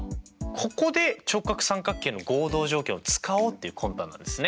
ここで直角三角形の合同条件を使おうっていう魂胆なんですね。